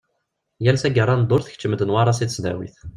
Yal taggara n ddurt, tkeččem-d Newwara si tesdawit.